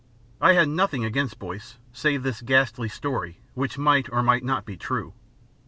I had nothing against Boyce, save this ghastly story, which might or might not be true.